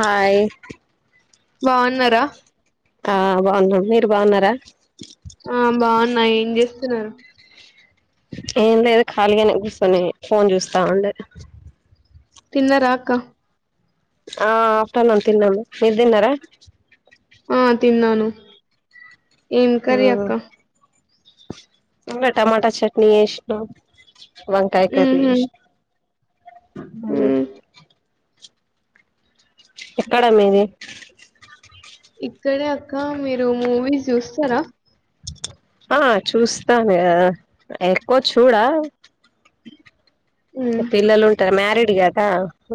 Hi బాగున్నారా ఆ బాగున్నం మీరు బాగున్నారా ఆ బాగున్నా ఏం చేస్తున్నారు ఏం లేదు ఖాళీగానే కూర్చొని ఫోన్ చూస్తా ఉండిన తిన్నరా అక్క ఆ ఆఫ్టేర్నూన్ తిన్నాం మీరు తిన్నారా ఆ తిన్నాను ఏం కర్రీ అక్క ఇంగా టమాటా చట్నీ చేసిన వంకాయ కర్రీ ఉహు చేసిన మ్మ్ ఉమ్ హ్ ఎక్కడ మీది ఇక్కడే అక్క మీరు మూవీస్ చూస్తారా ఆ చూస్తాను కదా ఎక్కువ చూడా ఉమ్ ఇగా పిల్లలు ఉంటారు మ్యారీడ్ కదా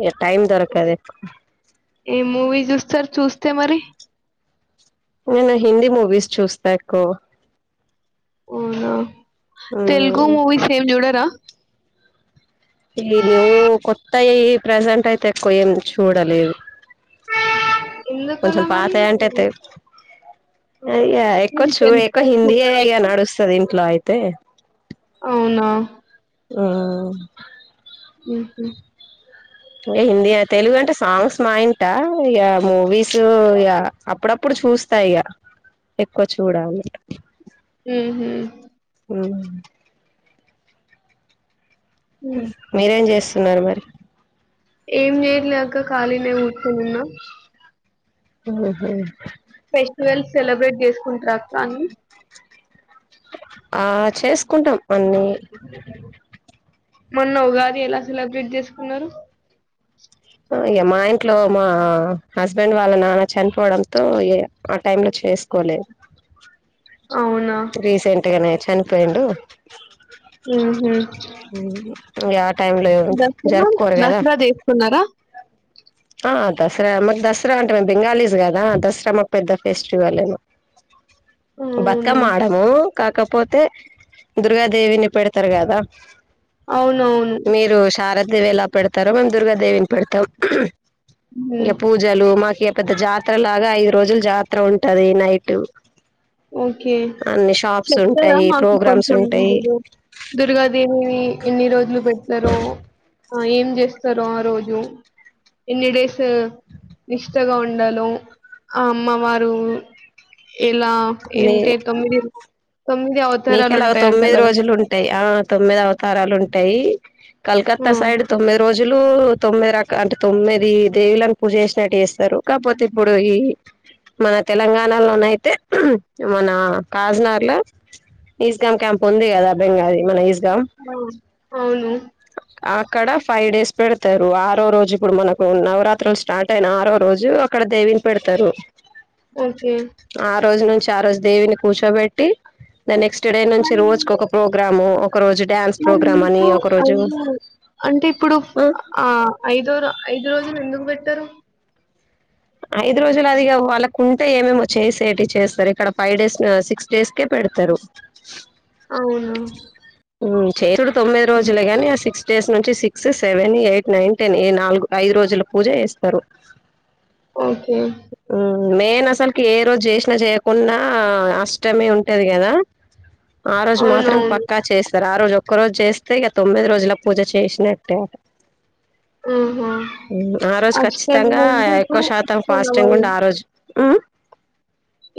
ఇగా టైం దొరకదు ఎక్కువ ఏ మూవీ చూస్తారు చూస్తే మరి నేను హిందీ మూవీస్ చూస్తా ఎక్కువగా అవునా తెలుగు మ్మ్ మూవీస్ ఏం జుడార ఈదో కొత్తయి ప్రెజెంట్ అయితే ఎక్కువ ఏం చూడలేదు కొంచెం ఎందుకలా మరి పాతయంటే తే మీరు ఆ ఇగ ఎక్కువ చూ తెలుగు ఎక్కువ మూవీస్ హిందీయే చూడరా ఇగ ఎక్కువ? నడుస్తది ఇంట్లో అయితే అవునా ఉమ్ ఉమ్ హూ అ [inaudible] ఇగ హిందీ తెలుగు అంటే సాంగ్స్ మా ఇంట ఇగ మూవీస్ ఇగ అప్పుడప్పుడు చూస్ చూస్తా ఇగ ఎక్కువ చూడాలి ఉమ్ హూ ఉమ్ మీరేం జేస్తున్నారు మరి ఏం జేయట్లే అక్క ఖాళీనే కూర్చుని ఉన్నా ఉమ్ హు ఫెస్టివల్స్ సెలబ్రేట్ జేసుకుంటార అక్క అన్నీ ఆ చేసుకుంటాం అన్ని మొన్న ఉగాది ఎలా సెలబ్రేట్ జేసుకున్నారు మా ఇంట్లో మా హస్బెండ్ వాళ్ళ నానా చనిపోవడంతో ఇగ ఆ టైం లో చేసు కోలేదు అవునా రీసెంట్ గనే చనిపోయిండు ఉమ్ హు టైం లో జరుపుకోరు గదా దసరా చేసుకున్నారా ఆ దసరా మరి దసరా అంటే మేము బెంగాలీస్ గదా దసరా మాకు పెద్ద ఫెస్టివల్ ఏమో ఉమ్ కమ్ మాడము కాకపోతే దుర్గాదేవిని పెడతారు గదా అవునవును మీరేలా పెడతారో మేము దుర్గాదేవిని పెడతాం మ్మ్. ఇంకా పూజలు మా పెద్ద జాతర లాగా ఐదు రోజులు జాతర ఉంటది నైట్ ఓకే అన్ని షాప్స్ చెప్తారా ఉంటాయి మాకు ప్రోగ్రామ్స్ కొంచెం ఉంటాయి ముందు దుర్గాదేవిని ఎన్ని రోజులు పెడతారో ఆ ఏం జేస్తారో ఆ రోజు ఎన్ని డేస్ నిష్ఠగా ఉండాలో ఆ అమ్మవారు ఎలా ఏంటే తొమ్మిది తొమ్మిది అవతారాలు మీకలా ఉంటాయంట తొమ్మిది కదా రోజులు ఉంటాయి ఆ తొమ్మిది అవతారాలు ఉంటాయి ఆ కలకత్తా సైడ్ తొమ్మిది రోజులు తొమ్మిది రక అంటే తొమ్మిది దేవులను పూజ చేసినట్టు చేస్తారు కాకపోతే ఇప్పుడు ఈ మన తెలంగాణలోనైతే మన కాజ్ నగర్ల ఈస్గామ్ క్యాంప్ ఉంది గదా బెంగాలీ మన ఈస్ ఆ అవును అక్కడ ఫైవ్ డేస్ పెడతారు ఆరో రోజు ఇప్పుడు మనకు నవరాత్రులు స్టార్ట్ అయిన ఆరో రోజు అక్కడ దేవిని పెడతారు ఓకే ఆ రోజు నుంచి ఆ రోజు దేవిని కూర్చోబెట్టి ఇంగ నెక్స్ట్ డే నుంచి మరి రోజుకు ఒక ప్రోగ్రాము ఒక రోజు డ్యాన్స్ ప్రోగ్రామ్ అని మీకు ఒక రోజు ఐదో అంటే ఇప్పుడు ఆ ఐదోర ఐదు రోజులు ఎందుకు బెట్టరు ఐదు రోజులు అదిగా వాళ్ళకు కుంటే ఏమేమో చేసేటి చేస్తారు ఇక్కడ ఫైవ్ డేస్ సిక్స్ డేస్కే పె పెడతరు అవునా ఉమ్ చేసుడు తొమ్మిది హ్మ్. రోజులే గాని ఆ సిక్స్ డేస్ నుంచి six seven eight nine ten ఈ నాలుగు ఐదు రోజుల పూజ జేస్తరు ఓకే మేన్ అసలుకి ఏ రోజు చేసినా చేయకుడా అష్టమి ఉంటది కదా ఆ వాటికీ మాత్రం అవునవును. పక్కా చేస్తారు ఆ రోజు ఒక్క రోజు చేస్తే ఇక తొమ్మిది రోజుల పూజ చేసినట్టే ఆహా! హఉమ్ ఆ రోజు అష్టమి ఖచ్చితంగా అంటే ఎక్కువ ఇప్పుడు శాతం ఫాస్టింగ్ అష్టమి. ఉండి ఆ రోజు ఆ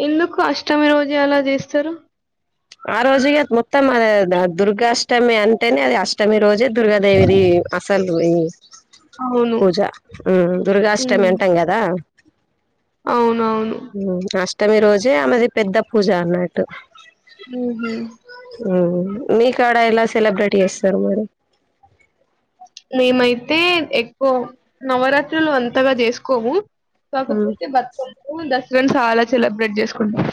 ఎందుకు అష్టమి రోజే అలా చేస్తారు ఆ రోజెగా మొత్తం అద దుర్గాష్టమి అంటేనే అది అష్టమి రోజే దుర్గాదేవిది అసలది ఈ అవును. పూజ ఉమ్ దుర్గాష్టమి అంటాం కదా అవును ఉమ్ అష్టమి రోజే ఆమెది పెద్ద పూజ అన్నట్టు ఉహు హ్మ్మ్ మీకాడ ఎలా సెలబ్రేట్ చేస్తారు మరి మేమైతే ఎక్కువ నవరాత్రులు అంతగా చేసుకోము కాకపోతే బతుకమ్మ దసరాను చాలా సెలబ్రేట్ చేసుకుంటాం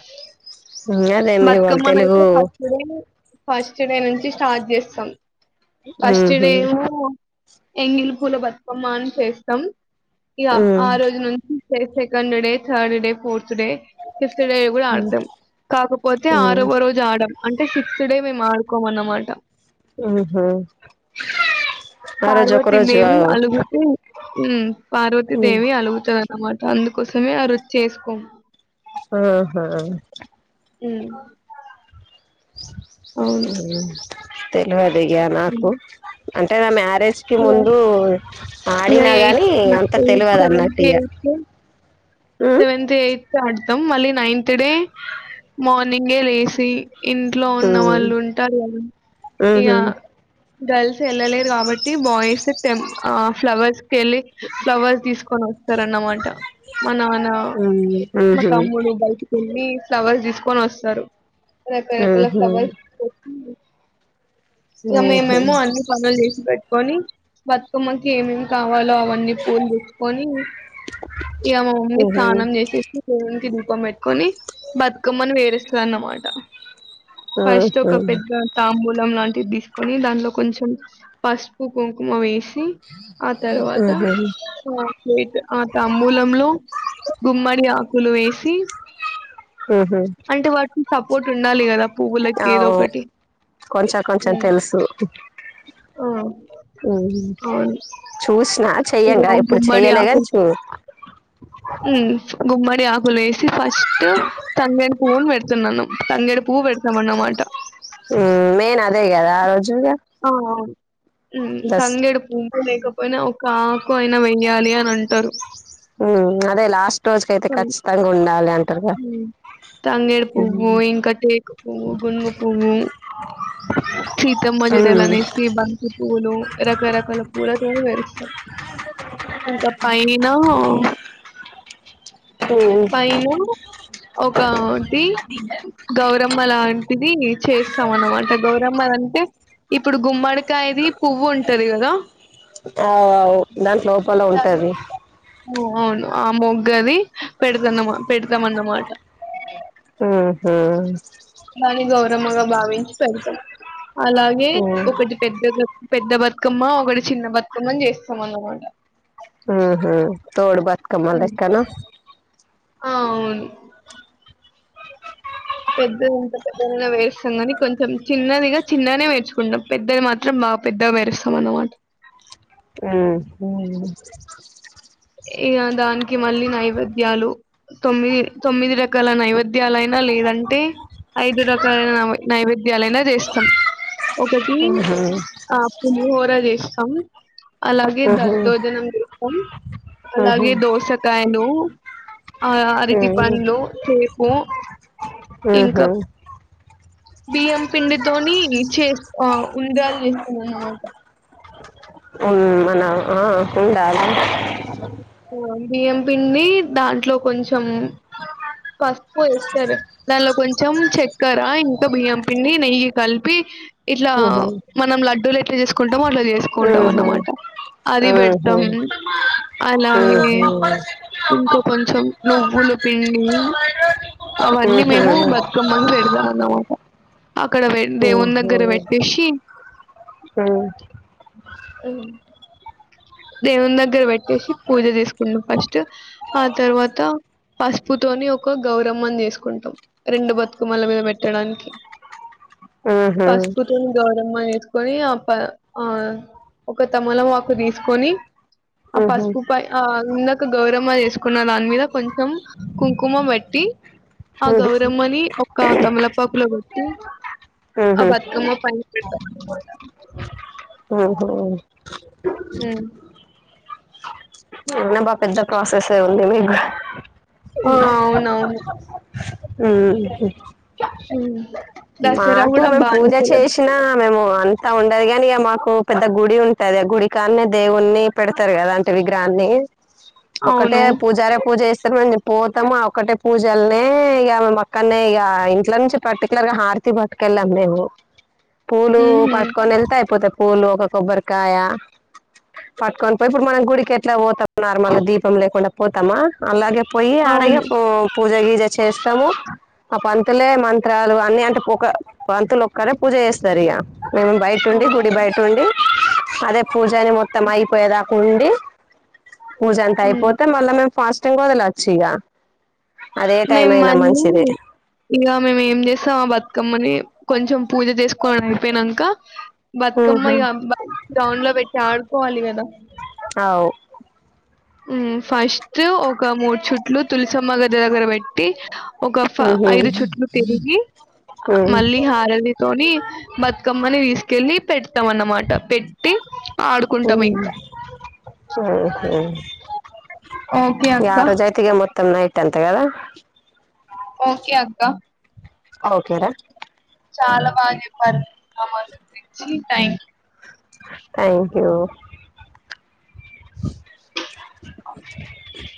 అదే మీ వాళ్ళు తెలుగు బతుకమ్మనైతే ఫాస్ట్ డేనే ఫస్ట్ డే నుంచి స్టార్ట్ చేస్తాం ఫస్ట్ ఉహు డేమో ఎంగిలి పూల బతుకమ్మ అని చేస్తాం ఇగ ఆ ఉహు రోజు నుంచి second day third day fourth day fifth day కూడా అడ్తం కాకపోతే ఆరవ రోజు ఆడం అంటే సిక్స్త్ డే మేము ఆడుకోమన్నమాట ఆహా పార్వతీదేవి అలుగుతే ఉ పార్వతీదేవి అలుగుతది అన్నమాట అందుకు కోసమే ఆ రోజు చేసుకోం ఆహా ఉమ్ అవును తెల్వదిగ్యా నాకు అంటే ఆ నాకు మా డేస్ కి ముందు ఇగ ఆడినా ఎయిత్ గాని అంత తెల్వదు సెవెంత్ అన్నటిగా [unintelligible] ఎయిత్ సెవెంత్ ఎయిత్ ఆడతాం మళ్ళీ నైన్త్ డే మార్నింగే లేసి ఇంట్లో ఉన్న ఉమ్ వాళ్ళు ఉంటారు గదా ఇగ ఉమ్ గర్ల్స్ వెళ్ళలేరు కాబట్టి బాయ్స్ టం ఫ్లవర్స్ కెళ్ళి ఫ్లవర్స్ తీసుకొని వస్తారన్న అనమాట అవునా మ ఉహు తమ్ముడు బయటికెళ్లి కెళ్లి ఫ్లవర్స్ తీసుకొని వస్తారు రకరకాల ఉహు ఫ్లవర్స్ తెచ్చి ఇగా మేమేమో అన్ని పనులు చేసి పెట్టుకొని బతుకమ్మకి ఏమేమి కావాలో అవన్నీ పూలు తెచ్చుకొని ఇగా మా మమ్మీ ఉహు ఉహు ఉహు స్నానం చేసోచ్చి దేవునికి దీప్ కుంకుమ పెట్టుకొని బతుకమ్మని వేరిస్తాది అన్నమాట ఫస్ట్ ఒక పెద్ద తాంబూలం లాంటి తీసుకొని దాంలో కొంచెం పసుపు కుంకుమ వేష్ సి ఆ తర్వాత ఉహు ఉహు ఆప్లేట్ ఆ తాంబూలంలో గుమ్మడి ఆకులు వేసి ఉహు అంటే వాటిని తప్ పూట ఉండాలి గదా అవ్ కొంచెం కొంచెం తెలుసు అ ఉమ్ చూసినా ఇగ చెయ్యంగా ఇప్పుడు గుమ్మడి చెయ్యలేగాని ఆకులు చూ ఉమ్ గుమ్మడి ఆకులు వేసి ఫస్ట్ తంగేడి పువ్వును పెడుతున్నానుం తంగేడి పువ్ పెడతామని అన్నమాట ఉమ్ మేయిన్ అదే గదా ఆ రోజ్ ఆ బస్ తంగేడు పువ్వు లేకపోయినా ఒక ఆకు అయినా వెయ్యాలి అని అంటారు ఉ అదే లాస్ట్ రోజుకైతే ఖచ్చితంగా ఉండాల తంగేడి పువ్వు ఇంకా టేకు పువ్వు గును పువ్వు సీతమ్మ జడలు ఉమ్ అనేసి బంతి పూలు రకరకాల పూలతో పేరుస్తారు [inaudible] ఇంకా పైన పైన ఉ ఒకటి గౌరమ్మ లాంటిది చేస్తాం అన్నమాట గౌరమ్మల అంటే ఇప్పుడు గుమ్మడికాయది పువ్వు ఉంటది కదా అవ్ అవ్ దాంట్ లోపల దాని ఉంటది ఆ! అవును ఆ మొగ్గది పెడతాన్నమా పెడతాంన్నమాట ఉహ దాని గౌరమ్మగా భావించి పెడతాం అలాగే ఒకటి పెద్ద పెద్ద భ కమ్మ ఒకటి చిన్న బతుకమ్మని చేస్తాంనమాట ఆహా తోడు బతుకమ్మ లెక్కన అవును పెద్ద ఇంత పెద్దగానే పేరస్తం కానీ కొంచెం చిన్నదిగా చిన్ననే వేర్చుకుంటాం పెద్దది మాత్రం బా ఆ పెద్దగా పేరుస్తం అన్నమాట ఆ ఇగ దానికి మళ్ళీ నైవేద్యాలు తొమ్మిది తొమ్మిది రకాల నైవేద్యాలు అయినా లేదా అంటే ఐదు రకాలైన నైవేద్యాలైనా చేస్తాం ఒకటి ఆ పులిహోర చేస్తాం అలాగే ఉహు దద్దోజనం [unintelligible] ఉహు అలాగే దోసకాయలు ఆ అరితి పండ్లు సేపు ఇంకా ఆహా బియ్యం పిండితోని చే ఉండ్రాలు చేస్తామన్నమాట ఉ మన ఆ ఉండాలు బియ్యం పిండి దాంట్లో కొంచెం పసుపు వేస్తారు దానిలో కొంచెం చెక్కరా ఇంకా బియ్యం పిండి నెయ్యి కలిపి ఇట్లా ఉహు మనం లడ్డూలు ఎట్లా చేసుకుంట దోమో అట్ల చేసుకుంటాం ఉహు అన్నమాట అది ఉహు పెడతాం అలాగే ఉహు ఇంకా కొంచెం నువ్వులు పిండి [inaudible] అవన్నీ ఉహు మేము ఉహు బతుకమ్మని పెడదాం అన్నమాట అక్కడ పెట్ దేవుని దగ్గర పెట్టేసి ఆ అ దేవుని దగ్గర పెట్టేసి పూజ చేసుకున్నాం ఫస్ట్ ఆ తర్వాత పసుపుతోని ఒక గౌరమ్మని చేసుకుంటాం రెండు బతుకమ్మల మీద పెట్టడానికి ఆహ గౌరమ్మ చేసుకొని ఆ ప ఆ ఒక తమలపాకు తీసుకొని ఆ ఉహు ఉహు పసుపు పై ఆ ఉన్న గౌరవ చేసుకున్న దాని మీద కొంచెం కుంకుమ పెట్టి ఆ ఉహు గౌరమ్మని ఓ క తమలపాకు లో పెట్టి ఆ ఉహు బతుకమ్మ పైన పెడతా ఆహా ఉ అవునబ్బా పెద్ద ప్రాసెసే ఉంది మీకు ఆ అవునవును ఉమ్మ్ గయ్ ఉమ్. దసరా మాకు గూడా మేము బానే పూజ సెలబ్ చేసినా మేము అంతా ఉండదు గాని ఇగ మాకు పెద్ద గుడి ఉంటది ఆ గుడి కాన్నే దేవుణ్ణి పెడతారు కదా అంటే విగ్ దాన్ని ఒకటే అవును. పూజారే పూజెస్ తర్మంజె పోతాము ఆ ఒక్కటే పూజల్నే ఇగ మక్కనే ఇగ ఇంట్లో నుంచి పర్టిక్యులర్ గా హా త్తి పట్టికెళ్ళాం మేము పూలు హుహు. పట్టుకొని ఎళ్తే అయిపోతాయి పూలు ఒక కొబ్బరికాయ పట్టుకొన్ పోయి ఇప్పుడు మనం గుడికి ఎట్లా పోతాం నార్మల్గా దీపం లేకుండా పోతామా అలాగే పోయి అవును. అడగపో పూజ గీజచ్చె చేస్తాము ఆ పన్ త్తేలే మంత్రాలు అన్ని అంటే ఒక పంతులు ఒక్కరే పూజ చేస్తారు ఇగ మేము బయట ఉండి గుడి అవును. బయట ఉండి అదే పూజని మొత్తం అయిపోయేదాకా ఉండి పూజ అంత హ్మ్. అయిపోతే మళ్ళ మేమ్ ఫాస్టింగ్ వదలచ్చు ఇగ మేమ్ మళ్ళీ ఇగ మేమ్ ఏం జేసాం ఆ బతుకమ్మని కొంచెం పూజ జేస్కోని అయిపోయినంక బతుకమ్మ ఉహు ఇగ గ్రౌండ్ లో పెట్టి ఆడుకోవాలి కదా అవు ఫస్ట్ ఒక మూడు చుట్లు తులసమ్మ గది దగ్గర పెట్టి ఒక ఫ ఉహు ఐదు చుట్లు తిరిగి ఉ మళ్ళీ హారతితోని బతుకమ్మని తీస్కెళ్ళి పెట్ అన్నమాట పెట్టి ఉ ఆడుకుంటాం ఇంక ఆరోజైతే ఇగ మొత్తం నైట్ అంత కదా ఓకే అక్క ఓకేరా చాలా బా చెప్పారు థ్యాంక్ యూ థ్యాంక్ యూ